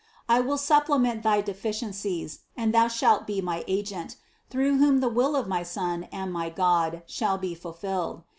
I will supplement thy deficiencies and thou shalt be my agent, through whom the will of my Son and my God shall be fulfilled.